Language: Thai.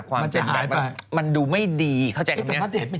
ความเป็นแบบมันดูไม่ดีเข้าใจแบบนี้